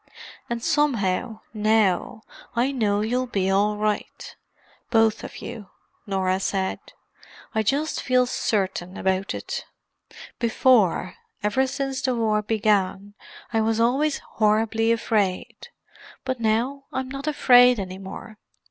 "And somehow, now, I know you'll be all right—both of you," Norah said. "I just feel certain about it. Before—ever since the war began—I was always horribly afraid, but now I'm not afraid any more.